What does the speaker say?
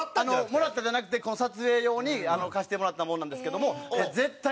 もらったんじゃなくてこの撮影用に貸してもらったものなんですけども。